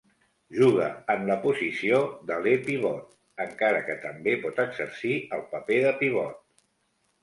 Juga en la posició d'aler pivot, encara que també pot exercir el paper de pivot.